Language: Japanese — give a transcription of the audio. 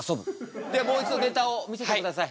ではもう一度ネタを見せてください。